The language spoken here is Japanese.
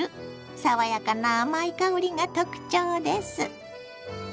爽やかな甘い香りが特徴です。